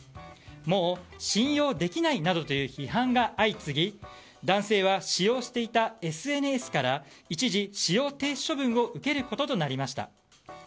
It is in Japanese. もう信用できないなどという批判が相次ぎ男性は使用していたＳＮＳから一時、使用停止処分を受けることとなりました。